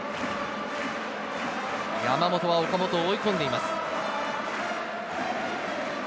山本は岡本を追い込んでいます。